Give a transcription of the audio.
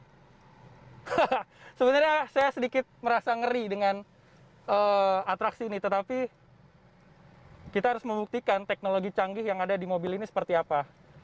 jadi sebenarnya saya sedikit merasa ngeri dengan atraksi ini tetapi kita harus membuktikan teknologi canggih yang ada di mobil ini seperti apa